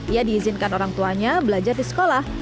ia diizinkan orang tuanya belajar di sekolah